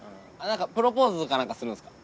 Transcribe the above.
プロポーズか何かするんすか？